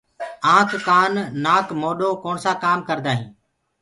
آنک ڪآن نآڪ موڏو ڪوڻسآ ڪآم ڪردآئين